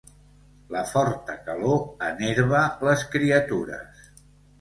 La forta calor enerva les criatures.